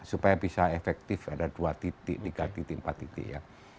supaya bisa efektif ada dua titik tiga titik empat titik ya